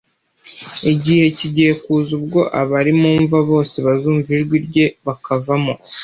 “igihe kigiye kuza ubwo abari mu mva bose bazumva ijwi rye bakavamo